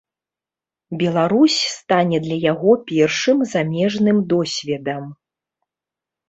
Беларусь стане для яго першым замежным досведам.